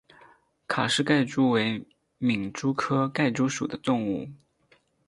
卡氏盖蛛为皿蛛科盖蛛属的动物。